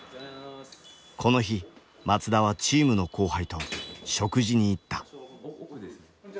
この日松田はチームの後輩と食事に行った。